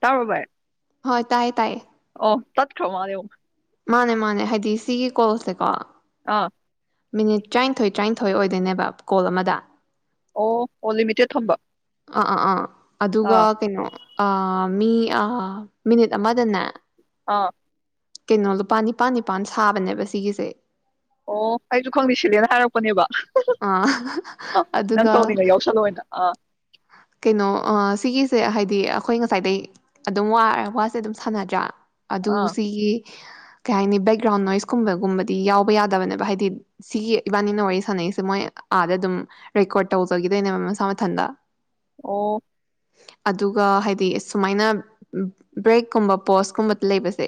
ꯇꯥꯕꯔꯣ ꯚꯥꯏ ꯍꯣꯏ ꯇꯥꯏꯌꯦ ꯇꯥꯏꯌꯦ ꯑꯣ ꯇꯠꯈꯔ ꯃꯥꯜꯂꯦ ꯑꯃꯨꯛ ꯃꯥꯅꯦ ꯃꯥꯅꯦ ꯍꯥꯏꯗꯤ ꯁꯤꯒꯤ ꯀꯣꯜ ꯁꯦꯀꯣ ꯑꯥ ꯃꯤꯅꯤꯠ ꯇ꯭ꯔꯥꯅꯤꯊꯣꯏ ꯇ꯭ꯔꯥ ꯍꯣꯏ ꯑꯣꯏꯗꯣꯏꯅꯦꯕ ꯀꯣꯜ ꯑꯃꯗ ꯑꯣ ꯑꯣ ꯂꯤꯃꯤꯇꯦꯗ ꯊꯝꯕ ꯑ ꯑ ꯑ ꯑꯗꯨꯒ ꯑꯥ ꯀꯩꯅꯣ ꯑ ꯃꯤ ꯑ ꯃꯤꯅꯤꯠ ꯑꯃꯗꯅꯦ ꯑ ꯀꯩꯅꯣ ꯂꯨꯄꯥ ꯅꯤꯄꯥꯜ ꯅꯤꯄꯥꯜ ꯁꯥꯕꯅꯦꯕ ꯁꯤꯒꯤꯁꯦ ꯑꯣ ꯑꯩꯁꯨ ꯈꯪꯗꯦ ꯁꯤꯜꯂꯤꯅ ꯍꯥꯏꯔꯛꯄꯅꯦꯕ ꯑ ꯑꯥ ꯅꯪ ꯑꯗꯨꯗꯣ ꯇꯧꯅꯤꯡꯉ ꯌꯥꯎꯁꯜꯂꯣꯅ ꯑꯥ ꯀꯩꯅꯣ ꯑ ꯁꯤꯒꯤꯁꯦ ꯍꯥꯏꯗꯤ ꯑꯩꯈꯣꯏ ꯉꯁꯥꯏꯗꯩ ꯑꯗꯨꯝ ꯋꯥ ꯋꯥꯁꯦ ꯑꯗꯨꯝ ꯁꯥꯅꯗ꯭ꯔꯥ ꯑꯗꯨ ꯑꯥ ꯁꯤꯒꯤ ꯀꯩ ꯍꯥꯏꯅꯤ ꯕꯦꯛꯒꯔꯥ꯭ꯎꯟꯗ ꯅꯣꯏꯁ ꯀꯨꯝꯕ ꯀꯨꯝꯕꯗꯤ ꯌꯥꯎꯕ ꯌꯥꯗꯕꯅꯦꯕ ꯍꯥꯏꯗꯤ ꯁꯤꯒꯤ ꯏꯕꯥꯏꯅꯤꯅ ꯋꯥꯔꯤ ꯁꯥꯅꯩꯁꯦ ꯃꯣꯏ ꯑꯥꯗ ꯑꯗꯨꯝ ꯔꯦꯀꯣ꯭ꯔꯗ ꯇꯧꯖꯈꯤꯗꯣꯏꯅꯦꯕ ꯃꯁꯥ ꯃꯊꯟꯗ ꯑꯣ ꯑꯗꯨꯒ ꯍꯥꯏꯗꯤ ꯁꯨꯃꯥꯏꯅ ꯕ꯭ꯔꯦꯛ ꯀꯨꯝꯕ ꯄꯧꯁ ꯀꯨꯝꯕ ꯂꯩꯕꯁꯦ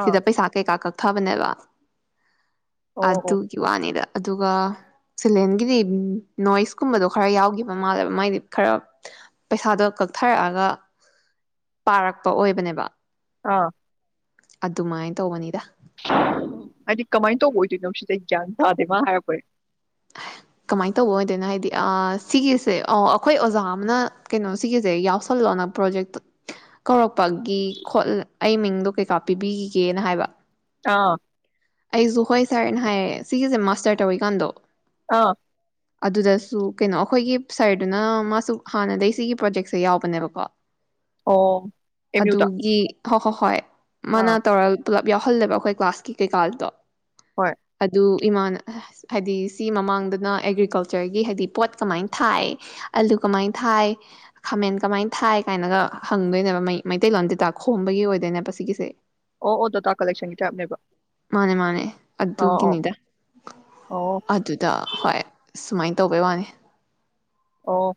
ꯑꯥ ꯁꯤꯗ ꯄꯩꯁꯥ ꯀꯩꯀꯥ ꯀꯛ ꯊꯕꯅꯦꯕ ꯑꯣ ꯑꯣ ꯑꯗꯨꯒꯤ ꯋꯥꯅꯤꯗ ꯑꯗꯨꯒ ꯁꯤꯂꯦꯟꯒꯤꯗꯤ ꯅꯣꯏꯁ ꯀꯨꯝꯕꯗꯨ ꯈꯔ ꯌꯥꯎꯈꯤꯕ ꯃꯥꯜꯂꯦ ꯃꯥꯏꯗꯤ ꯈꯔ ꯄꯩꯁꯥꯗꯨ ꯀꯛꯊꯥꯔꯛꯑꯒ ꯇꯥꯔꯛꯄ ꯑꯣꯢꯕꯅꯦꯕ ꯑ ꯑꯗꯨꯝꯃꯥꯏ ꯇꯧꯕꯅꯤꯗ ꯍꯥꯏꯗꯤ ꯀꯃꯥꯏ ꯇꯧꯕ ꯑꯣꯏꯗꯣꯏꯅꯣ ꯁꯤꯁꯦ ꯒ꯭ꯌꯥꯟ ꯑꯃ ꯇꯗꯦ ꯃꯥꯅ ꯍꯥꯏꯔꯛꯁꯦ ꯀꯃꯥꯏ ꯇꯧꯕ ꯑꯣꯏꯗꯣꯏꯅꯣ ꯍꯥꯏꯗꯤ ꯑ ꯁꯤꯒꯤꯁꯦ ꯑꯣ ꯑꯩꯈꯣꯏ ꯑꯣꯖꯥ ꯑꯃꯅ ꯀꯩꯅꯣ ꯁꯤꯒꯤꯁꯦ ꯌꯥꯎꯁꯟꯂꯣꯅ ꯄꯔꯣꯖꯦꯛ ꯀꯧꯔꯛ [inaudible] ꯑꯩ ꯃꯤꯡꯗꯨ ꯀꯩꯐꯥꯄꯤꯕꯤꯒꯦꯅ ꯍꯥꯏꯕ ꯑꯥ ꯑꯩꯁꯨ ꯍꯣꯏ ꯁꯥꯔꯅ ꯍꯥꯏꯔꯦ ꯁꯤꯒꯤꯁꯦ ꯃꯁꯇꯔ ꯇꯧꯔꯤ ꯀꯥꯟꯗꯨ ꯑ ꯑꯗꯨꯗꯁꯨ ꯀꯩꯅꯣ ꯑꯩꯈꯣꯏꯒꯤ ꯁꯥꯔꯗꯨꯅ ꯃꯥꯁꯨ ꯍꯥꯟꯅꯗꯩ ꯁꯤꯒꯤ ꯄꯔꯣꯖꯦꯛꯁꯦ ꯌꯥꯎꯕꯅꯦꯕꯀꯣ ꯑꯣ ꯑꯦꯝ ꯃꯌꯨꯗ ꯑꯗꯨꯒꯤ ꯍꯣꯏ ꯍꯣꯏ ꯍꯣꯏ ꯃꯥꯟꯅ ꯇꯧꯔ ꯄꯨꯜꯂꯞ ꯌꯥꯎ ꯍꯜꯂꯦꯕ ꯑꯩꯈꯣꯏ ꯀꯂꯥꯁ ꯀꯤ ꯀꯩꯀꯥ ꯍꯣꯏ [inaudible] ꯑꯗꯨ ꯏꯃꯥꯟ ꯑꯁ ꯍꯥꯏꯗꯤ ꯁꯤ ꯃꯃꯥꯡꯗꯅ ꯑꯦꯒꯔꯤꯀꯜꯆꯔꯒꯤ ꯍꯥꯏꯗꯤ ꯄꯣꯠ ꯀꯃꯥꯏ ꯊꯥꯏ ꯑꯂꯨ ꯀꯃꯥꯏ ꯊꯥꯏ ꯈꯥꯃꯦꯟ ꯀꯃꯥꯏ ꯊꯥꯏ ꯀꯥꯏꯅꯒ ꯍꯪꯗꯣꯏꯅꯦꯕ ꯃꯩꯇꯩꯂꯣꯟꯗ ꯇꯥꯛꯁ ꯈꯣꯝꯕꯩ ꯑꯣꯏꯗꯣꯏꯅꯦꯕ ꯁꯤꯁꯦ ꯑꯣ ꯑꯣ ꯗꯥꯇꯥ ꯀꯜꯂꯦꯛꯁꯟꯒꯤ ꯇꯥꯏꯞꯅꯦꯕ ꯃꯥꯟꯅꯦ ꯃꯥꯟꯅꯦ ꯑꯣ ꯑꯣ ꯑꯗꯨꯒꯤꯅꯤꯗ ꯑꯣ ꯑꯗꯨꯗ ꯍꯣꯏ ꯁꯨꯝꯃꯥꯏ ꯇꯧꯕꯩ ꯋꯥꯅꯤ ꯑꯣ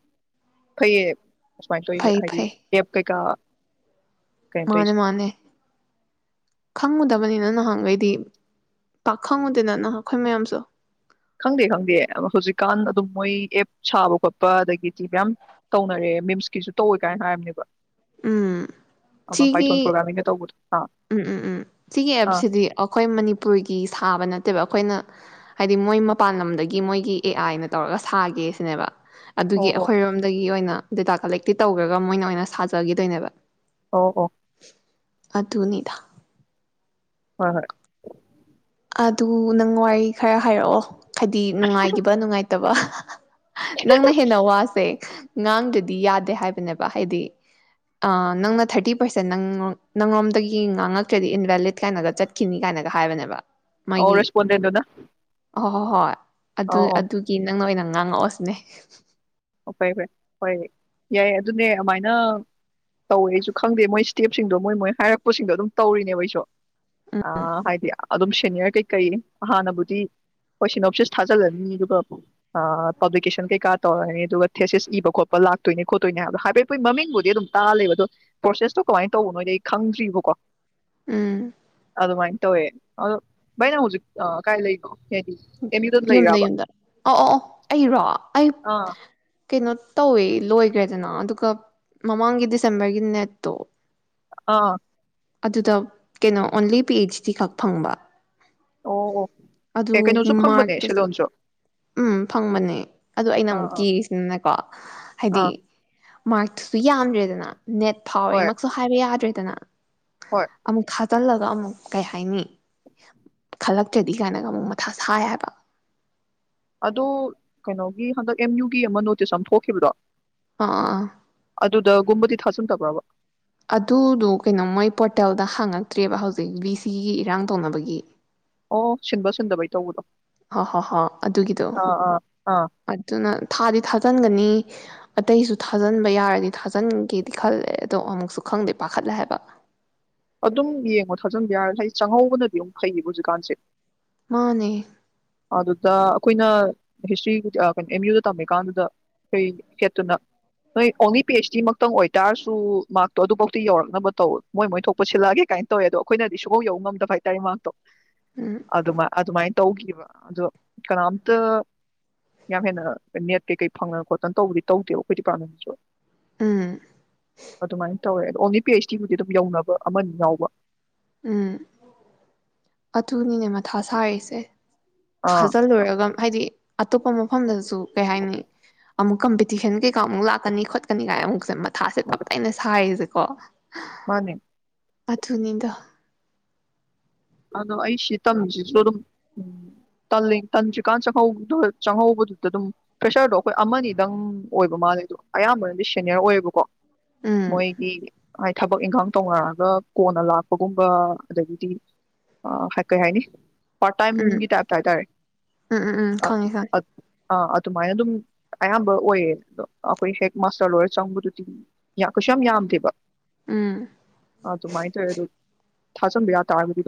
ꯐꯩꯌꯦ ꯁꯨꯝꯃꯥꯏ ꯇꯧꯏꯁꯦ ꯍꯥꯏꯗꯤ ꯑꯦꯞ ꯀꯩꯀꯥ ꯀꯩꯅꯣ ꯇꯧꯔꯤꯁꯦ ꯃꯥꯟꯅꯦ ꯃꯥꯟꯅꯦ ꯈꯪꯉꯨꯗꯕ ꯅꯥꯍꯟ ꯈꯩꯗꯤ ꯄꯥꯛ ꯈꯪꯂꯨꯗꯦꯅ ꯑꯩꯈꯣꯏꯁꯨ ꯈꯪꯗꯦ ꯈꯪꯗꯦ ꯍꯧꯖꯤꯛ ꯀꯥꯟ ꯑꯗꯨꯝ ꯃꯣꯏ ꯑꯦꯞ ꯁꯥꯕ ꯈꯣꯠꯄ ꯊꯤꯕ ꯌꯥꯝ ꯇꯧꯅꯔꯦ ꯃꯤꯝꯁꯀꯤꯁꯨ ꯇꯧꯏ ꯀꯥꯟ ꯍꯥꯏꯕꯅꯦ ꯎꯝ ꯑꯃ ꯄꯥꯏꯊꯣꯟ ꯁꯤꯒꯤ ꯇꯣꯔꯅꯃꯦꯟꯒ ꯇꯧꯕꯗꯣ ꯑꯥ ꯎꯝ ꯎꯝ ꯎꯝ ꯁꯤꯒꯤ ꯑꯥ ꯑꯦꯞꯁꯤꯗꯤ ꯑꯩꯈꯣꯏ ꯃꯅꯤꯄꯨꯔꯒꯤ ꯁꯥ ꯁꯥꯕ ꯅꯠꯇꯦꯕ ꯑꯩꯈꯣꯏꯅ ꯍꯥꯏꯗꯤ ꯃꯣꯏ ꯃꯄꯥꯟ ꯂꯝꯗꯒꯤ ꯃꯣꯏꯒꯤ ꯑꯦ ꯑꯥꯏ ꯅ ꯇꯧꯔꯒ ꯁꯥꯒꯦ ꯁꯤꯅꯦꯕ ꯑꯣ ꯑꯗꯨꯒꯤ ꯑꯣ ꯑꯩꯈꯣꯏ ꯔꯣꯝꯗꯩ ꯑꯣꯏꯅ ꯗꯥꯇꯥ ꯀꯟꯂꯦꯛꯇꯤ ꯇꯧꯔꯒ ꯃꯣꯏꯅ ꯑꯣꯏꯅ ꯁꯥꯖꯒꯤꯗꯣꯏꯅꯦꯕ ꯑꯣ ꯑꯣ ꯑꯗꯨꯅꯤꯗ ꯍꯣꯢ ꯍꯣꯢ ꯑꯗꯨ ꯅꯪ ꯋꯥ ꯈꯔ ꯍꯥꯏꯔꯛ ꯑꯣ ꯍꯥꯏꯗꯤ ꯅꯨꯡꯉꯥꯏꯈꯤꯕ ꯅꯨꯡꯉꯥꯏ ꯇꯥꯕ ꯅꯪꯅ ꯍꯦꯟꯅ ꯋꯥꯁꯦ ꯉꯥꯪꯗꯔ꯭ꯗꯤ ꯌꯥꯗꯦ ꯍꯥꯏꯕꯥꯅꯦꯕꯥ ꯍꯥꯏꯗꯤ ꯑꯥ ꯅꯪꯅ ꯊꯔꯇꯤ ꯄꯔꯁꯦꯟ ꯅꯪ ꯅꯥꯂꯣꯟꯗꯩꯩ ꯉꯥꯪꯉꯛꯇꯔ꯭ꯗꯤ ꯏꯟꯚꯦꯂꯤꯠ ꯀꯥꯏꯅꯒꯥ ꯆꯠꯈꯤꯅꯤ ꯀꯥꯏꯅꯒ ꯍꯥꯌꯕꯥ ꯅꯦꯕꯥ ꯑꯧ ꯔꯦꯁꯄꯣꯟꯗꯦꯟꯠꯗꯨꯅ ꯍꯣ ꯍꯣ ꯍꯣꯌ ꯑꯗꯨ ꯑꯗꯨꯒꯤ ꯅꯪꯅ ꯑꯣꯏꯅꯥ ꯉꯥꯪꯉꯛꯑꯣ ꯁꯤꯅꯤ ꯑꯣ ꯐꯔꯦ ꯐꯔꯦ ꯍꯣꯌ ꯌꯥꯏ ꯑꯗꯨꯅꯦ ꯑꯃꯥꯏꯅꯥ ꯇꯧꯑꯦ ꯑꯩꯁꯨ ꯈꯪꯗꯦ ꯃꯣꯏ ꯁꯇꯦꯞꯁꯤꯪꯗꯣ ꯃꯣꯌ ꯃꯣꯏ ꯍꯥꯏꯔꯛꯄꯁꯤꯡꯗꯣ ꯇꯧꯔꯤꯅꯦꯕ ꯑꯩꯁꯨ ꯑꯥ ꯍꯥꯌꯗꯤ ꯑꯗꯨꯝ ꯁꯦꯅꯤꯑꯔ ꯀꯩ ꯀꯩ ꯍꯟꯅꯕꯨꯗꯤ ꯁꯤꯞꯅꯣꯁꯤꯁ ꯊꯖꯤꯜꯂꯅꯤ ꯑꯗꯨꯒꯥ ꯑꯥ ꯄꯥꯕꯂꯤꯀꯦꯁꯟ ꯀꯩꯀꯥ ꯇꯧꯔꯅꯤ ꯑꯗꯨꯒꯥ ꯊꯦꯁꯤꯁ ꯏꯕꯥ ꯈꯣꯠꯄ ꯂꯥꯛꯇꯣꯏꯅꯦ ꯈꯣꯠꯇꯣꯏꯅꯦ ꯍꯥꯏꯕꯗꯣ ꯍꯥꯏꯐꯦꯠꯄꯨꯗꯤ ꯃꯃꯤꯪꯕꯨꯗꯤ ꯑꯗꯨꯝ ꯇꯥ ꯂꯩꯕꯥ ꯑꯗꯣ ꯄꯔꯣꯁꯦꯁꯇꯣ ꯀꯥꯃꯥꯏ ꯇꯧꯕꯅꯣꯗꯤ ꯑꯩ ꯈꯪꯗꯔꯤꯌꯦꯕꯥꯀꯣ ꯎꯝ ꯑꯗꯨꯃꯥꯏꯅꯥ ꯇꯧꯌꯦ ꯑꯗꯣ ꯕꯥꯏ ꯅꯪ ꯍꯧꯖꯤꯛ ꯑꯥ ꯀꯥꯏ ꯂꯩꯅꯣ ꯍꯥꯏꯗꯤ ꯑꯦꯝ ꯌꯨꯗ ꯌꯨꯝꯗ ꯂꯩꯔꯕ ꯌꯨꯝꯗ ꯑꯥꯑꯣ ꯑꯣ ꯑꯩꯔꯣ ꯑꯩ ꯑꯥ ꯀꯩꯅꯣ ꯇꯧꯌꯦ ꯂꯣꯏꯒꯔꯦꯗꯅ ꯑꯗꯨꯒꯥ ꯃꯥꯃꯥꯡꯒꯤ ꯗꯤꯁꯦꯝꯕꯔꯒꯤ ꯅꯦꯠꯇꯣ ꯑꯥ ꯑꯗꯨꯗ ꯀꯩꯅꯣ ꯑꯣꯟꯂꯤ ꯄꯤ ꯍꯩꯁ ꯗꯤ ꯈꯛ ꯐꯪꯕꯥ ꯑꯣ ꯑꯣ ꯑꯗꯣ ꯑꯦ ꯀꯩꯅꯣꯁꯨ ꯐꯪꯕꯅꯦ ꯃꯔꯀ ꯁꯤꯂꯣꯟꯁꯨ ꯎꯝ ꯐꯪꯕꯅꯦ ꯑꯗꯣ ꯑꯩꯅꯥ ꯑꯥ ꯑꯃꯨꯛ ꯑꯥ ꯀꯤꯔꯤꯁꯤꯅꯥꯀꯣ ꯍꯥꯢꯗꯤ ꯑꯥ ꯃꯥꯁ ꯇꯣ ꯌꯥꯝ ꯗꯔ꯭ꯦꯗꯅ ꯅꯦꯠ ꯐꯥꯑꯣꯔꯦ ꯍꯣꯏ ꯍꯥꯌꯕꯥꯃꯛꯁꯨ ꯍꯥꯌꯕꯥ ꯌꯥꯗꯔ꯭ꯦꯗꯅ ꯍꯣꯏ ꯑꯃꯨꯛ ꯊꯥ ꯖꯜꯂꯒꯥ ꯑꯃꯨꯛ ꯀꯩ ꯍꯥꯌꯅꯤ ꯈꯜꯂꯛꯇꯔ꯭ꯗꯤ ꯀꯥꯌꯅꯒ ꯑꯃꯨꯛ ꯃꯊꯥ ꯁꯥꯏ ꯍꯥꯌꯕꯥ ꯑꯗꯣ ꯀꯩꯅꯣꯒꯤ ꯍꯟꯗꯛ ꯑꯦꯝ ꯌꯨ ꯒꯤ ꯑꯃꯥ ꯅꯣꯇꯤꯁ ꯑꯃꯥ ꯊꯣꯛꯈꯤꯕꯗꯣ ꯑꯥ ꯑꯥ ꯑꯗꯨꯗ ꯒꯨꯝꯕꯗꯤ ꯊꯥꯖꯤꯟꯗꯕꯔ꯭ꯕꯥ ꯑꯗꯨ ꯗꯣ ꯀꯩꯅꯣ ꯃꯣꯢ ꯄꯔꯣꯇꯜꯗ ꯍꯪꯉꯛꯇꯔꯤꯕꯥ ꯍꯧꯖꯤꯛ ꯚꯤ ꯁꯤ ꯒꯤ ꯏꯔꯥꯪ ꯇꯧꯅꯕꯒꯤ ꯑꯣ ꯑꯣ ꯁꯤꯟꯕ ꯁꯤꯟꯗꯕꯩ ꯇꯧꯕꯗꯣ ꯍꯣ ꯍꯣ ꯍꯣꯏ ꯑꯗꯨꯒꯤꯗꯣ ꯑꯥ ꯑꯥ ꯑꯥ ꯑꯗꯨꯅ ꯊꯗꯤ ꯊꯖꯤꯟꯒꯅꯤ ꯑꯇꯩꯁꯨ ꯊꯖꯤꯟꯕ ꯌꯥꯔꯗꯤ ꯊꯖꯤꯟꯒꯦꯗꯤ ꯈꯜꯂꯦ ꯑꯗꯣ ꯑꯃꯨꯛꯁꯨ ꯈꯪꯗꯦ ꯄꯈꯠꯂꯦ ꯍꯥꯌꯕꯥ ꯑꯗꯨꯝ ꯌꯦꯡꯑꯣ ꯊꯖꯤꯟꯕꯥ ꯌꯥꯔꯗꯤ ꯍꯥꯏꯗꯤ ꯆꯪꯍꯧꯕꯅꯥꯗꯤ ꯑꯃꯨꯛ ꯐꯩꯌꯦꯕꯥ ꯍꯧꯖꯤꯛꯀꯥꯟꯁꯤ ꯃꯥꯟꯅꯦ ꯑꯗꯨꯗ ꯑꯩꯈꯣꯌꯅꯥ ꯍꯤꯁꯇ꯭ꯣꯔꯤ ꯀꯩ ꯅꯣ ꯑꯦꯝ ꯌꯨꯗ ꯇꯝꯃꯤꯀꯟꯗꯨꯗ ꯑꯩꯈꯣꯌ ꯍꯦꯗꯇꯨꯅ ꯅꯣꯏ ꯑꯣꯟꯂꯤ ꯄꯤ ꯍꯦꯁ ꯗꯤ ꯃꯛꯇꯪ ꯑꯣꯏ ꯇꯔ꯭ꯁꯨ ꯃꯔꯛ ꯇꯣ ꯑꯗꯨꯕꯥꯑꯣꯇꯤ ꯌꯧꯔꯛꯅꯕ ꯇꯧ ꯃꯣꯏ ꯃꯣꯏ ꯊꯣꯛꯄ ꯁꯤꯜꯂꯛꯑꯒꯦ ꯒꯥꯏ ꯅꯥ ꯇꯧꯌꯦ ꯑꯗꯣ ꯑꯩꯈꯣꯌꯅꯥꯗꯤ ꯁꯨꯛ ꯌꯧ ꯉꯝꯗꯕ ꯍꯥꯏꯇꯔꯦ ꯃꯥꯔꯛꯇꯣ ꯎꯝ ꯑꯗꯨꯃꯥꯏ ꯑꯗꯨꯃꯥꯏ ꯇꯧꯈꯤꯌꯦꯕꯥ ꯑꯗꯣ ꯀꯅꯥꯝꯇꯥ ꯌꯥꯝ ꯍꯦꯟꯅꯥ ꯅꯦꯠ ꯀꯩ ꯀꯩ ꯐꯪꯗꯅ ꯇꯧ ꯕꯗꯤ ꯇꯧꯗꯦ ꯑꯩꯈꯣꯌ ꯗꯦꯄꯥꯔꯠꯃꯦꯟꯠ ꯇꯨꯁꯨ ꯎꯝ ꯑꯗꯨꯃꯥꯏ ꯇꯧꯑꯦ ꯑꯣꯟꯂꯤ ꯄꯤ ꯍꯩꯁ ꯗꯤꯒꯤꯗꯤ ꯑꯗꯨꯝ ꯌꯧꯅꯕ ꯑꯃꯥ ꯑꯅꯤ ꯌꯥꯎꯕ ꯎꯝ ꯑꯗꯨꯅꯤꯅꯦ ꯃꯊꯥ ꯁꯔꯤꯁꯦ ꯑꯥ ꯊꯖꯤꯜꯂꯨꯔꯒꯥ ꯍꯥꯏꯗꯤ ꯑꯇꯣꯞꯄꯥ ꯃꯐꯝ ꯗꯁꯨ ꯀꯩ ꯍꯥꯌꯅꯤ ꯑꯃꯨꯛ ꯀꯝꯄꯤꯇꯤꯁꯟ ꯀꯩꯀ ꯂꯥꯛꯀꯅꯤ ꯈꯣꯠꯀꯅꯤ ꯀꯥꯏꯅꯥ ꯑꯃꯨꯛꯁꯨ ꯃꯊꯥꯁꯤ ꯇꯞ ꯇꯥꯏꯅꯥ ꯁꯥꯔꯤꯁꯦ ꯑꯥ [inaudible] ꯃꯥꯅꯦ ꯑꯗꯨꯅꯤꯗ ꯑꯗꯣ ꯑꯩ ꯁꯤꯇꯝꯃꯤꯁꯤꯁꯨ ꯇꯜꯂꯤ ꯇꯟꯗ꯭ꯔꯤꯀꯟ ꯆꯪꯍꯧꯗꯣ ꯆꯪꯍꯩꯕꯗꯨꯗꯗꯨꯝ ꯐ꯭ꯔꯦꯁ꯭ꯔꯗꯣ ꯑꯩꯈꯣꯏ ꯑꯃꯥꯅꯤꯗꯪ ꯑꯣꯏꯕ ꯃꯜꯂꯦꯗꯣ ꯑꯌꯥꯝꯕꯅꯗꯤ ꯁꯦꯅꯤꯌ꯭ꯔ ꯑꯣꯏꯕꯀꯣ꯫ ꯎꯝ ꯃꯣꯏꯒꯤ ꯊꯕꯛ ꯏꯪꯈꯥꯡ ꯇꯧꯅꯔꯒ ꯀꯣꯟꯅ ꯂꯛꯄ ꯒꯨꯝꯕ ꯑꯗꯒꯤꯗꯤ ꯑꯥꯥ ꯀꯩꯍꯥꯏꯅꯤ ꯎꯝ ꯄꯥꯠꯇꯥꯏꯃꯒꯤ ꯇꯥꯏꯞꯇ ꯍꯥꯏꯇꯋꯦ ꯎꯝ ꯎꯝ ꯎꯝ ꯈꯪꯉꯦ ꯈꯪꯉꯦ ꯑꯥ ꯑꯗꯨꯃꯥꯏꯅꯗꯨꯝ ꯑꯌꯥꯝꯕ ꯑꯣꯏꯌꯦ ꯑꯗꯣ ꯑꯩꯈꯣꯏ ꯍꯦꯛ ꯃꯥꯁꯇ꯭ꯔ ꯂꯣꯏꯔꯒ ꯆꯪꯕꯗꯨꯗꯤ ꯌꯥ ꯀꯩꯁꯨꯌꯥꯝ ꯌꯥꯝꯗꯦꯕ ꯎꯝ ꯑꯗꯨꯃꯥꯏꯅ ꯇꯧꯋꯦ ꯑꯗꯨꯝ ꯊꯖꯤꯟꯕ ꯌꯥꯇꯥꯔꯒꯗꯤ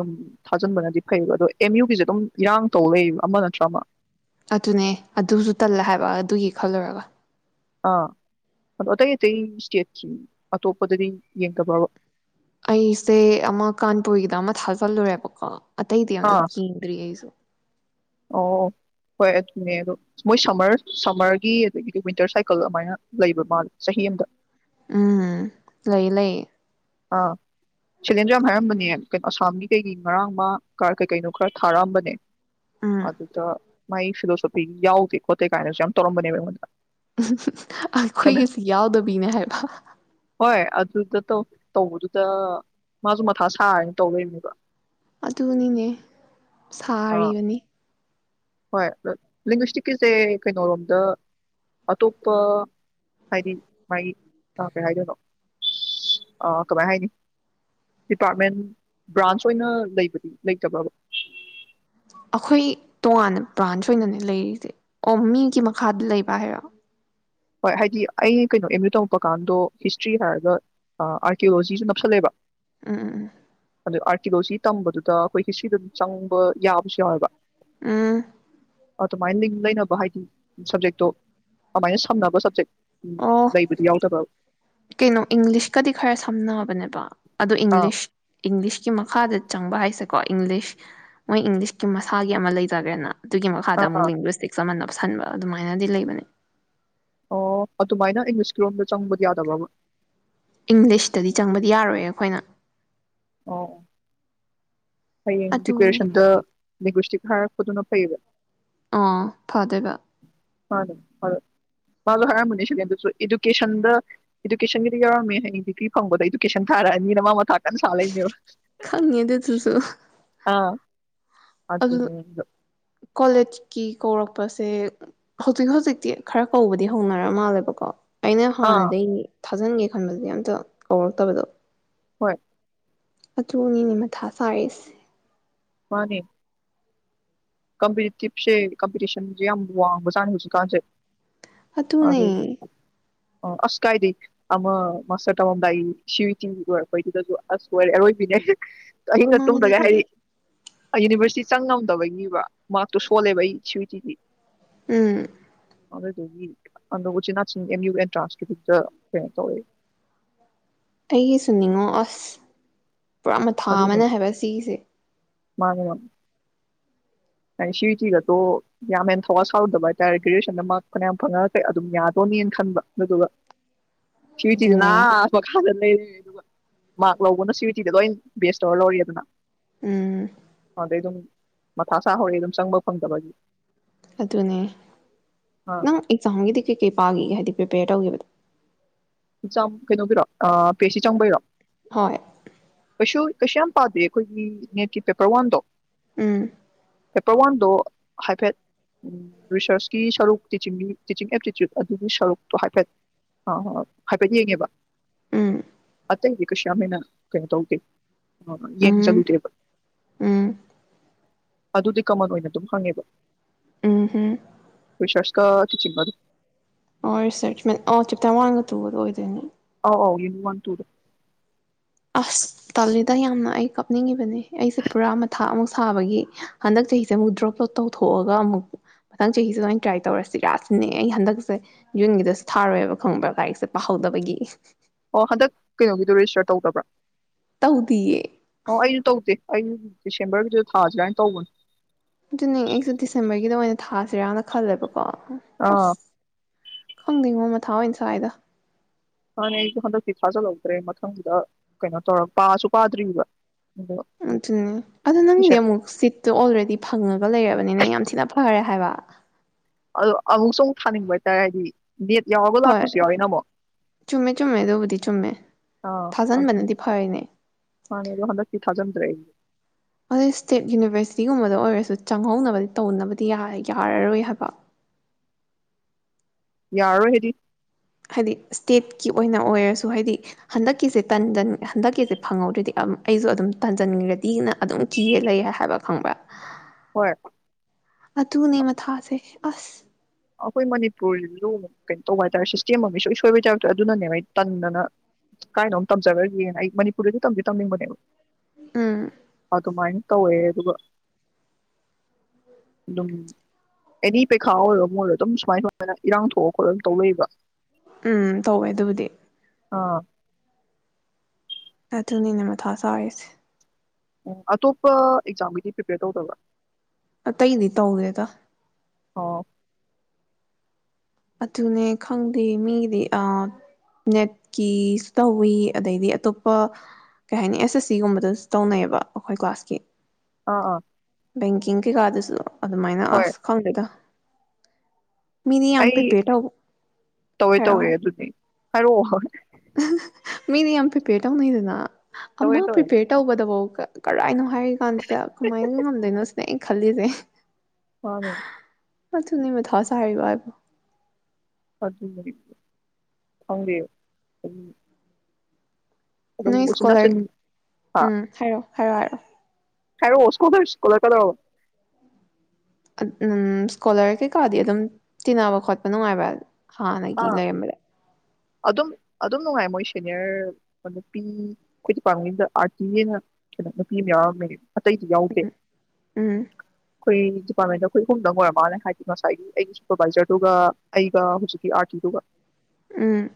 ꯊꯖꯤꯟꯕꯅꯗꯤ ꯐꯩꯕ ꯑꯗꯣ ꯑꯦꯝ ꯌꯨ ꯒꯤꯖꯦ ꯑꯗꯨꯝ ꯑꯤꯔꯥꯡ ꯇꯧꯔꯩꯔꯦꯕ ꯑꯃꯥ ꯅꯠꯇ꯭ꯔꯒ ꯑꯃꯥ꯫ ꯑꯗꯨꯅꯦ ꯑꯗꯨꯁꯨ ꯇꯜꯂꯦ ꯍꯥꯏꯕ ꯑꯗꯨꯒꯤ ꯈꯜꯂꯨꯔꯒ ꯑꯥ ꯑꯗꯣ ꯑꯇꯩ-ꯑꯇꯩ ꯏꯁꯇꯦꯠ ꯑꯇꯣꯞꯄꯗꯗꯤ ꯌꯦꯡꯗꯕ꯭ꯔꯕ꯫ ꯑꯩꯁꯦ ꯑꯃꯥ ꯀꯥꯟꯄꯨꯔꯒꯤꯗ ꯑꯃꯥ ꯊꯥꯖꯤꯜꯂꯨꯔꯦꯕꯀꯣ ꯑꯇꯩꯗꯤ ꯑꯝꯇ ꯑꯥ ꯌꯦꯡꯗ꯭ꯔꯤ ꯑꯩꯁꯨ ꯑꯣ ꯍꯣꯏ ꯑꯗꯨꯅꯦꯗꯣ ꯃꯣꯏ ꯁꯝꯃ꯭ꯔ ꯁꯝꯃ꯭ꯔꯒꯤ ꯑꯗꯒꯤꯗꯤ ꯋꯤꯟꯇ꯭ꯠ ꯁꯥꯏꯀꯜ ꯑꯃꯥꯏꯅ ꯂꯩꯕ ꯃꯜꯂꯦ ꯆꯍꯤ ꯑꯃꯥꯗ꯫ ꯎꯝ ꯂꯩꯌꯦ-ꯂꯩꯌꯦ ꯑꯥ ꯁꯤꯜꯂꯦꯅꯖꯨ ꯌꯥꯝꯅ ꯍꯥꯏꯔꯝꯕꯅꯦ ꯑꯁꯥꯝꯒꯤꯗꯩ ꯉꯔꯥꯡꯃꯥ ꯀꯥꯔ ꯀꯩ-ꯀꯩꯅꯣ ꯈꯔꯥ ꯊꯥꯔꯛꯑꯝꯕꯅꯦ ꯎꯝ ꯑꯗꯨꯗ ꯃꯥꯏ ꯐꯤꯂꯣꯖꯣꯐꯤ ꯌꯥꯎꯗꯦ ꯈꯣꯠꯇꯦꯒꯥꯏꯅꯁꯨ ꯌꯥꯝ ꯇꯧꯔꯝꯕꯅꯦꯕ ꯑꯩꯉꯣꯟꯗ꯫ ꯑꯗ ꯑꯩꯈꯣꯏꯒꯖꯦ ꯌꯥꯎꯗꯕꯤꯅꯦ ꯍꯥꯏꯕ ꯍꯣꯏ ꯑꯗꯨꯗ ꯇꯧ ꯇꯧꯕꯗꯨꯗ ꯃꯥꯥꯁꯨ ꯃꯊꯥ ꯁꯥꯔꯦꯅ ꯇꯧꯂꯩꯔꯦꯕ꯫ ꯑꯗꯨꯅꯤꯅꯦ ꯑꯥ ꯁꯥꯔꯤꯕꯅꯤ ꯍꯣꯏ ꯂꯤꯡꯒꯨꯏꯁꯇꯤꯁꯀꯤꯖꯦ ꯀꯩꯅꯣꯔꯣꯝꯗ ꯑꯇꯣꯞꯄ ꯍꯥꯗ ꯃꯥꯒꯤ ꯑꯥ ꯀꯩ ꯍꯥꯏꯗꯣꯏꯅꯣ ꯑꯥ ꯀꯃꯥꯏ ꯍꯥꯏꯅꯤ ꯗꯤꯄꯥꯠꯃꯦꯟ ꯕꯔꯥꯟꯁ ꯑꯣꯏꯅ ꯂꯩꯕ ꯂꯩꯇꯕ꯭ꯔꯕ [inaudible] ꯑꯩꯈꯣꯏ ꯇꯣꯉꯥꯟꯅ ꯕꯔꯥꯟꯁ ꯑꯣꯏꯅꯅꯦ ꯂꯩꯔꯤꯖ ꯑꯣ ꯃꯤꯒꯤ ꯃꯈꯥꯗ ꯂꯩꯕ ꯍꯥꯏꯔꯣ꯫ ꯍꯣꯏ ꯍꯥꯏꯗ ꯑꯩ ꯀꯩꯅꯣ ꯑꯦꯃ ꯌꯨ ꯇꯧꯕꯀꯟꯗꯣ ꯍꯤꯁꯇ꯭ꯔꯤ ꯍꯥꯏꯔꯒ ꯑꯥ ꯑꯥꯔꯀꯤꯌꯣꯂꯣꯖꯤꯖꯨ ꯅꯞꯁꯤꯜꯂꯦꯕ꯫ [inaudible] ꯎꯝ-ꯎꯝ-ꯎꯝ-ꯎꯝ [inaudible] ꯑꯥꯔꯀꯤꯌꯣꯂꯣꯖꯤ ꯇꯝꯕꯗꯨꯗ ꯑꯩꯈꯣꯏ ꯍꯤꯁꯇ꯭ꯔꯤꯗ ꯆꯪꯕ ꯌꯥꯕꯁꯨ ꯌꯥꯎꯋꯦꯕ꯫ ꯎꯝ ꯑꯗꯨꯃꯥꯏꯅ ꯂꯤꯡ ꯂꯩꯅꯕ ꯍꯥꯏꯗꯤ ꯁꯞꯖꯦꯛꯇꯣ ꯑꯗꯨꯃꯥꯏ ꯁꯞ [inaudible] ꯍꯪꯅꯕ ꯁꯞꯖꯦꯛ [inaudible] ꯎꯝ ꯑꯣ ꯂꯩꯕꯗꯤ ꯌꯥꯎꯗꯕ꯭ꯔꯕ [inaudible] ꯀꯩꯅꯣ ꯏꯪꯂꯤꯁ ꯀꯥꯗꯤ ꯈꯔ ꯁꯝꯅꯕꯅꯦꯕ ꯑꯗꯣ ꯑꯥ ꯏꯪꯂꯤꯁ ꯏꯪꯂꯤꯁꯀꯤ ꯃꯈꯥꯗ ꯆꯪꯕ ꯍꯥꯏꯁꯦꯀꯣ ꯏꯪꯂꯤꯁ ꯃꯣꯏ ꯏꯪꯂꯤꯁꯀꯤ ꯃꯁꯥꯒꯤ ꯑꯃꯥ ꯂꯩꯖꯒ꯭ꯔꯦꯅ ꯑꯗꯨꯒꯤ ꯃꯈꯥꯗ ꯑꯥ ꯑꯃꯨꯛ ꯑꯥ ꯂꯤꯡꯒꯨꯏꯁꯇꯤꯛ ꯑꯃꯥ ꯅꯞ [inaudible] ꯈꯟꯕ ꯑꯗꯨꯃꯥꯏꯅꯗꯤ ꯂꯩꯕꯅꯦ [inaudible] ꯑꯣ ꯑꯗꯨꯃꯥꯢꯅ ꯏꯪꯂꯤꯁꯀꯤꯔꯣꯝꯗ ꯆꯪꯕꯗꯤ ꯌꯥꯗꯕ꯭ꯔꯣꯕ ꯏꯪꯂꯤꯁꯇꯗꯤ ꯆꯪꯕꯗꯤ ꯌꯔꯣꯏꯌꯦ ꯑꯩꯈꯣꯏꯅ꯫ ꯑꯧ꯫ ꯍꯌꯦꯡ ꯑꯗꯨꯒꯤ ꯄꯤꯁꯌ꯭ꯥꯁꯟꯗ ꯂꯦꯡꯒꯣꯁꯇꯤꯛ ꯐꯥꯔꯛꯄꯗꯨꯅ ꯐꯩꯌꯦꯕ ꯑꯥ ꯐꯗꯣꯏꯕ ꯃꯗꯣ ꯃꯗꯣ ꯃꯁꯨ ꯍꯥꯏꯔꯝꯕꯅꯦ ꯁꯦꯀꯦꯟꯗꯨꯁꯨ ꯏꯗꯨꯀꯦꯁꯟꯗ ꯏꯗꯨꯀꯦꯁꯟꯒꯤꯗ ꯌꯥꯎꯔꯝꯃꯦ ꯍꯌꯦꯡ ꯗꯤꯒꯔꯤ ꯐꯪꯕꯗꯥ ꯏꯗꯨꯀꯦꯁꯟ ꯊꯔꯛꯑꯅꯦꯅ ꯃꯥ ꯃꯊꯥ ꯀꯟꯅ ꯁꯥ ꯈꯪꯏ ꯑꯗꯨꯗꯨꯁꯨ ꯑꯝ ꯑꯗꯨꯅꯦ ꯑꯩꯁꯨ ꯀꯤ ꯀꯧꯔꯛꯄꯁꯦ ꯍꯧꯖꯤꯛ ꯍꯧꯖꯤꯛꯇꯤ ꯈꯔ ꯀꯩꯕꯗꯤ ꯍꯧꯅꯔꯃꯥꯜꯂꯦꯕꯀꯣ ꯑꯩꯅ ꯑꯥ ꯍꯥꯟꯅꯗꯩꯅꯤ ꯊꯥ ꯊꯥꯖꯟꯒꯦ ꯈꯟꯕꯁꯦ ꯑꯝꯇꯥ ꯀꯧꯔꯛꯇꯕꯗꯣ ꯍꯣꯏ ꯑꯗꯨꯅꯤꯅꯦ ꯃꯊꯥ ꯁꯥꯏ ꯑꯩꯁꯦ ꯃꯅꯦ ꯀꯝꯄꯔꯤꯇꯤꯞꯁꯦ ꯀꯝꯄꯤꯇꯤꯁꯟꯁꯦ ꯌꯝ ꯋꯥꯡꯕꯖꯠꯅꯤ ꯍꯧꯖꯤꯛꯀꯟꯁꯦ ꯑꯗꯨꯅꯦ ꯑꯥꯁ ꯀꯥꯏꯗꯩ ꯑꯃ ꯃꯥꯁꯇꯔ ꯇꯝꯃꯝꯗꯥꯏꯒꯤ ꯁꯤꯌꯨꯇꯤ ꯂꯣꯏꯔꯛꯄꯩꯗꯨꯗꯁꯨ ꯑꯥꯁ ꯂꯧꯏꯔꯦ ꯑꯔꯣꯏꯕꯤꯅꯦ ꯑꯍꯤꯡꯒ ꯇꯨꯝꯗꯒꯩ ꯍꯥꯏꯗ ꯃꯥꯅꯦ ꯍꯥꯏꯗꯤ ꯌꯨꯅꯤꯕꯔꯁꯤꯇꯤ ꯆꯪꯉꯝꯗꯕꯒꯤꯕ ꯃꯥꯛꯇꯣ ꯁꯣꯜꯂꯦꯕ ꯑꯩ ꯁꯤꯌꯨꯇꯤ ꯒꯤ ꯎꯝ ꯑꯗꯨ ꯎꯆꯤꯟ ꯅꯆꯤꯟ ꯑꯦꯝꯃꯤꯎ ꯑꯦꯟꯇꯔꯥꯟꯁꯀꯤꯗꯨꯗ ꯀꯩꯅꯣ ꯇꯧꯏ ꯑꯩꯒꯤꯁꯨꯅꯤꯉꯣ ꯑꯁ ꯄꯨꯔꯥ ꯃꯊꯥ ꯑꯃꯅꯦ ꯍꯥꯏꯕ ꯁꯤꯒꯤꯁꯦ ꯃꯅꯦꯕ ꯍꯥꯏ ꯁꯤꯇꯤꯒꯗꯣ ꯌꯥꯝ ꯍꯦꯟ ꯊꯧꯋ ꯁꯔꯨꯗꯕ ꯍꯥꯏꯇꯔꯦ ꯒꯔ꯭ꯦꯖꯋꯑꯦꯁꯟꯗ ꯃꯥꯛ ꯐꯅꯌꯥꯝ ꯐꯪꯉ ꯑꯗꯨꯝ ꯌꯗꯣꯅꯦꯅ ꯈꯟꯕ ꯑꯗꯨꯗꯨꯒ ꯁꯤꯌꯨꯇꯤꯗꯨꯅ ꯑꯗꯨꯅꯦ ꯑꯥ ꯃꯈꯥꯗ ꯍꯩ ꯃꯥꯛ ꯂꯧꯕꯅ ꯁꯤꯌꯨꯇꯤꯗ ꯂꯣꯢꯅ ꯕꯦꯁ ꯇꯧꯔ ꯂꯧꯏꯗꯅ ꯎꯝ ꯑꯗꯩ ꯑꯗꯨꯝ ꯃꯊꯁꯥ ꯍꯧꯔꯛꯑꯦ ꯗꯨꯝꯆꯪꯕ ꯐꯪꯗꯕꯒꯤ ꯑꯗꯨꯅꯦ ꯑꯥ ꯅꯪ ꯑꯦꯛꯖꯥꯝꯒꯤꯗꯤ ꯀꯩꯀꯩ ꯄꯒꯤꯒꯦ ꯍꯥꯏꯗꯤ ꯄꯔꯤꯄꯌꯦꯔ ꯇꯧꯒꯤꯕꯗꯨ ꯆꯝ ꯀꯩꯅꯣꯒꯤꯔꯣ ꯑ ꯄꯤꯑꯦꯁꯤ ꯆꯪꯕꯒꯤꯔꯣ ꯍꯣꯏ ꯀꯩꯁꯨ ꯀꯩꯁꯨꯌꯥꯝ ꯄꯥꯗꯦ ꯈꯣꯏꯒꯤ ꯅꯦꯠꯀꯤ ꯄꯦꯄꯔ ꯋꯥꯟꯗꯣ ꯎꯝ ꯄꯦꯄꯔꯋꯥꯟꯗꯣ ꯍꯥꯏꯐꯦꯠ ꯔꯤꯁꯔꯁꯀꯤ ꯁꯔꯨꯛ ꯇꯤꯆꯤꯡꯒꯤ ꯇꯤꯆꯤꯡ ꯑꯦꯞꯇꯤꯆꯨꯠ ꯑꯗꯨꯒꯤ ꯁꯔꯨꯛꯇꯣ ꯍꯥꯏꯐꯦꯠ ꯑ ꯍꯥꯏꯐꯦꯠ ꯌꯦꯡꯑꯦꯕ ꯎꯝ ꯑꯇꯩꯗꯤ ꯀꯩꯁꯨꯌꯥꯞꯍꯦꯟꯅ ꯀꯩꯅꯣ ꯇꯧꯗꯦ ꯎꯝ ꯌꯦꯡꯖꯜꯂꯨꯗꯦꯕ ꯎꯝ ꯑꯗꯨꯗꯤ ꯀꯥꯃꯟ ꯑꯣꯏꯅ ꯑꯗꯨꯝ ꯍꯪꯉꯦꯕ ꯎꯝ [unintelligible] ꯇꯥꯌꯔ ꯋꯥꯟꯒ ꯇꯨꯒꯗꯣ ꯑꯣꯏꯗꯣꯏꯅꯦ ꯑꯥꯎ ꯌꯨꯅꯤꯠ ꯋꯥꯟ ꯇꯨꯗꯣ ꯑꯁ ꯇꯜꯂꯤꯗ ꯌꯥꯝꯅ ꯑꯩ ꯀꯥꯞꯅꯤꯡꯉꯤꯕꯅꯦ ꯑꯩꯁꯦ ꯄꯨꯔꯥ ꯃꯥꯊꯥ ꯑꯃꯨꯛ ꯁꯥꯕꯥꯒꯤ ꯍꯟꯇꯛ ꯆꯥꯍꯤꯁꯦ ꯑꯃꯨꯛ ꯗ꯭ꯔꯣꯞꯇꯣ ꯇꯧꯊꯣꯛꯑꯒ ꯑꯃꯨꯛ ꯃꯥꯊꯪ ꯆꯍꯤꯁꯤꯗ ꯑꯣꯏꯅ ꯇ꯭꯭ꯔꯥꯏ ꯇꯧꯔꯁꯤꯔ ꯁꯤꯅꯦ ꯑꯩ ꯍꯟꯗꯛꯁꯦ ꯖꯨꯟꯒꯤꯗꯁꯨ ꯊꯥꯔꯣꯏꯕ ꯈꯪꯔ꯭ꯕ ꯂꯩꯔꯤꯛꯁꯦ ꯄꯥꯍꯧꯗꯥꯕꯒꯤ ꯑꯣ ꯍꯟꯗꯛ ꯀꯩꯅꯣꯒꯤꯗꯣ ꯔꯦꯖꯤꯁꯇ꯭ꯔ ꯇꯧꯗ꯭ꯔꯕ꯭ꯔꯣ ꯇꯧꯗꯦꯌꯦ ꯑꯩꯒꯨ ꯗꯔꯁꯦꯡꯕ꯭ꯔꯒꯤꯗꯨꯗ ꯊꯥꯁꯤꯔꯅ ꯊꯧꯕꯅꯦ ꯑꯗꯨꯅꯦ ꯑꯩꯒꯨ ꯗꯔꯁꯦꯡꯕ꯭ꯔꯒꯤꯗ ꯑꯣꯏꯅ ꯊꯥ ꯁꯤꯔꯅ ꯈꯜꯂꯦꯕ ꯀꯣ ꯑ ꯈꯪꯗꯦꯉꯣ ꯃꯥꯊꯥ ꯑꯣꯏꯅ ꯁꯥꯏꯗ ꯑꯗꯨꯅꯦ ꯑꯩꯒꯨ ꯍꯟꯊꯛꯀꯤꯗꯣ ꯊꯥꯖꯜꯍꯧꯗ꯭ꯔꯦ ꯀꯩꯅꯣ ꯇꯧꯔꯒ ꯄꯥꯁꯨ ꯄꯥꯗ꯭ꯔꯤꯕ ꯑꯗꯣ ꯑꯗꯨꯅꯦ ꯑꯗꯣ ꯅꯪꯒꯤꯗꯤ ꯇꯨꯏꯁꯟ ꯑꯃꯨꯛ ꯐꯤꯠꯇꯣ ꯑꯣꯜꯔꯦꯗꯤ ꯐꯪꯉꯥꯒ ꯂꯩꯔꯃꯤꯅ ꯌꯥꯝ ꯊꯤꯅ ꯐꯥꯔꯦ ꯍꯥꯏꯕ ꯅꯃꯨꯛꯁꯨ ꯃꯨꯛ ꯊꯥꯅꯤꯡꯕ ꯍꯥꯏꯊꯥꯔꯦ ꯍꯥꯏꯗꯤ ꯅꯦꯠ ꯌꯥꯎꯔꯒ ꯍꯣꯏ ꯂꯥꯛꯄꯁꯨ ꯌꯥꯎꯋꯦꯅ ꯃꯨꯛ ꯆꯨꯝꯃꯦ ꯆꯨꯝꯃꯦ ꯑꯗꯨꯕꯨꯗꯤ ꯆꯨꯝꯃꯦ ꯑ ꯑꯗꯨꯅꯤ ꯊꯥꯖꯟꯕꯅꯗꯤ ꯐꯔꯤꯅꯦ ꯃꯥꯩꯅꯦ ꯍꯟꯊꯛꯀꯤ ꯊꯥꯖꯜꯗ꯭ꯔꯦ ꯑꯩ ꯑꯗꯣ ꯁꯇꯦꯠ ꯌꯨꯅꯤꯔ꯭ꯕꯁꯤꯇꯤ ꯒꯨꯝꯕꯗ ꯑꯣꯏꯔꯁꯨ ꯆꯪꯍꯧꯅꯕꯗꯤ ꯊꯧꯅꯕꯗꯤ ꯌꯥ ꯌꯥꯒꯔꯣꯏ ꯍꯥꯏꯕ ꯌꯥꯔꯥꯔꯣꯏ ꯍꯥꯏꯗꯤ ꯍꯥꯏꯗꯤ ꯁꯇꯦꯠ ꯑꯣꯏꯅ ꯑꯣꯏꯔꯁꯨ ꯍꯥꯏꯗꯤ ꯍꯟꯊꯛꯀꯤꯁꯦ ꯇꯟꯖꯟ ꯍꯟꯊꯛꯀꯤꯁꯦ ꯐꯪꯍꯧꯗ꯭ꯔꯥꯗꯤ ꯑꯩꯒꯨ ꯑꯃꯨꯛ ꯇꯟꯖꯟꯒ꯭ꯔꯥꯗꯤꯅ ꯑꯗꯨꯝ ꯀꯤꯔꯥꯒ ꯂꯩꯔꯦ ꯍꯥꯏꯕ꯭ꯔꯥ ꯈꯪꯔ꯭ꯕ ꯥ ꯍꯣꯏ ꯑꯗꯨꯅꯦ ꯃꯥꯊꯥꯁꯦ ꯑꯁ ꯑꯩꯈꯣꯏ ꯃꯅꯤꯄꯨꯔ ꯁꯤꯁꯨ ꯀꯩꯅꯣ ꯇꯧꯕ ꯍꯥꯏꯇꯥꯔꯦ ꯁꯤꯁꯇꯦꯝ ꯑꯃ ꯏꯁꯣꯏ ꯁꯣꯏꯕꯩ ꯇꯥꯏꯞꯇ ꯑꯗꯨꯅꯅꯦ ꯑꯩꯅ ꯇꯟꯗꯅ ꯀꯥꯏꯗꯥ ꯅꯣꯝ ꯇꯝꯖꯒꯒ꯭ꯔꯦꯅ ꯑꯩ ꯃꯅꯤꯄꯨꯔꯗꯗꯤ ꯇꯝꯗꯤ ꯇꯝꯅꯤꯡꯕꯅꯦ ꯎꯝ ꯑꯗꯨꯃꯥꯏ ꯇꯧꯋꯦ ꯑꯗꯨꯒ ꯑꯗꯨꯝ ꯑꯦꯅꯤ ꯄꯩꯈꯥ ꯑꯣꯏꯔꯣ ꯅꯗꯨꯝ ꯁꯨꯃꯥꯏ ꯏꯔꯥꯡ ꯊꯣꯛꯑ ꯈꯣꯠꯂꯒ ꯑꯗꯨꯝ ꯇꯧ ꯂꯩꯕ ꯎꯝ ꯇꯧꯋꯦ ꯑꯗꯨꯕꯨꯗꯤ ꯑ ꯑꯗꯨꯅꯤꯅꯦ ꯃꯥꯊꯥ ꯁꯥꯔꯤꯁꯦ ꯑꯇꯣꯞꯄ ꯑꯦꯛꯖꯥꯛꯒꯤꯗꯤ ꯄ꯭ꯔꯤꯄꯦꯌꯔ ꯇꯧꯗꯕ꯭ꯔꯥ ꯑꯇꯩꯗꯤ ꯇꯧꯗꯦꯗ ꯑ ꯑꯗꯨꯅꯦ ꯈꯪꯗꯦ ꯃꯤꯒꯤꯗꯤ ꯑ ꯅꯦꯠꯀꯤꯁꯨ ꯇꯧꯏ ꯑꯗꯩꯗꯤ ꯑꯇꯣꯞꯄ ꯀꯩꯍꯥꯏꯅꯤ ꯑꯦꯁꯑꯦꯁꯁꯤ ꯒꯨꯝꯕꯗꯁꯨ ꯇꯧꯅꯩꯌꯦꯕ ꯑꯧꯈꯣꯏ ꯀꯂ꯭ꯥꯁꯀꯤ ꯑ ꯑ ꯕꯦꯡꯀꯤꯡ ꯀꯩꯀꯥꯗꯁꯨ ꯑꯗꯨꯃꯥꯏꯅ ꯑꯁ ꯈꯪꯗꯦꯗꯥ ꯃꯤ ꯑꯩ ꯇꯧꯋꯦ ꯇꯧꯋꯦ ꯑꯗꯨꯗꯤ ꯍꯥꯏꯔꯛꯑꯣ ꯃꯤꯅ ꯌꯥꯝ ꯄ꯭ꯔꯤꯄꯦꯔ ꯇꯧꯅꯩꯗꯅ ꯇꯧꯋꯦ ꯑꯃ ꯇꯧꯋꯦ ꯄ꯭ꯔꯤꯄꯦꯔ ꯇꯧꯕꯗꯕꯧ ꯀ ꯀꯔꯥꯏꯅꯣ ꯍꯥꯏꯔꯤ ꯀꯥꯟꯁꯤꯗ ꯀꯃꯥꯏꯅ ꯈꯝꯗꯣꯏꯅꯣ ꯁꯤꯅꯦ ꯈꯜꯂꯤꯁꯦ ꯃꯥꯅꯦ ꯑꯗꯨꯅꯤ ꯃꯊꯥ ꯁꯥꯔꯤꯕ ꯍꯥꯏꯕꯨ ꯑꯗꯨꯅꯦ ꯍꯥꯏꯁꯦ ꯈꯪꯗꯦ ꯎꯝ ꯅꯣꯏ ꯁ꯭ꯀꯣꯂꯔ ꯍꯥ ꯎꯝ ꯍꯥꯏꯔꯛꯑꯣ ꯍꯥꯏꯔꯛ ꯍꯥꯏꯔꯛꯑꯣ ꯍꯥꯏꯔꯛꯑꯣ ꯁ꯭ꯀꯣꯂꯔ ꯁ꯭ꯀꯣꯂꯔ ꯀꯩꯗꯧ ꯍꯥꯏꯔꯛꯑꯣ ꯎꯝ ꯁ꯭ꯀꯣꯂꯔ ꯀꯩꯀꯥꯗꯤ ꯑꯗꯨꯝ ꯇꯤꯅꯕ ꯈꯣꯠꯄ ꯅꯨꯡꯉꯥꯏꯕ꯭ꯔ ꯍꯥꯟꯅꯒꯤ ꯑꯥ ꯂꯩꯔꯝꯕꯗ ꯑꯗꯨꯝ ꯑꯗꯨꯝ ꯅꯨꯡꯉꯥꯏ ꯃꯣꯏ ꯁꯦꯅꯥꯌꯔ ꯅꯨꯄꯤ ꯑꯈꯣꯏ ꯗꯤꯄ꯭ꯔꯥꯠꯃꯦꯟ ꯒꯤꯗ ꯑꯥꯔꯇꯤ ꯑꯅ ꯀꯩꯅꯣ ꯅꯨꯄꯤ ꯑꯃ ꯌꯥꯎꯔꯝꯕꯅꯦ ꯑꯇꯩꯗꯤ ꯌꯥꯎꯗꯦ ꯎꯝ ꯈꯣꯏ ꯈꯣꯏ ꯑꯍꯨꯝꯗꯪ ꯑꯣꯏꯔꯃꯥꯜꯂꯦ ꯍꯥꯏꯗꯤ ꯉꯥꯁꯥꯏꯒꯤ ꯑꯩꯒꯤ ꯁꯨꯄꯔꯕꯥꯏꯖꯔ ꯗꯨꯒ ꯑꯩꯅ ꯍꯨꯖꯤꯛꯀꯤ ꯑꯥꯔꯇꯤ ꯗꯨꯒ ꯎꯝ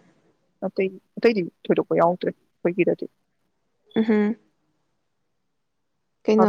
ꯑꯇꯩ ꯑꯇꯩꯗꯤ ꯊꯣꯏꯗꯣꯛꯄ ꯌꯥꯎꯗ꯭ꯔꯦ ꯑꯈꯣꯏꯒꯤꯗꯗꯤ ꯎꯍꯨꯝ ꯀꯩꯅꯣ